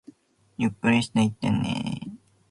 ゆっくりしていってねー